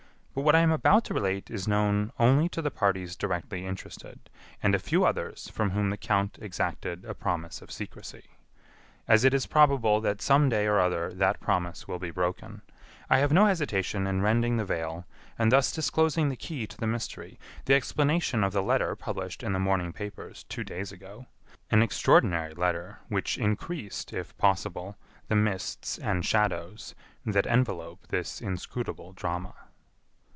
But what I am about to relate is known only to the parties directly interested and a few others from whom the count exacted a promise of secrecy. As it is probable that some day or other that promise will be broken, I have no hesitation in rending the veil and thus disclosing the key to the mystery, the explanation of the letter published in the morning papers two days ago; an extraordinary letter which increased, if possible, the mists and shadows that envelope this inscrutable drama.